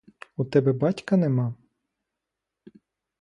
У тебе батька нема?